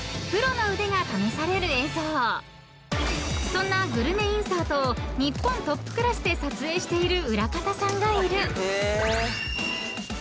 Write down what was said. ［そんなグルメインサートを日本トップクラスで撮影している裏方さんがいる］